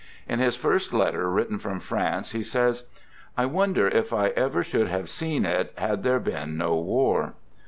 In his first letter written from France he says :" I wonder if I ever should have seen it had there been no war!